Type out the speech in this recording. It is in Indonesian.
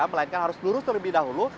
melainkan harus lurus terlebih dahulu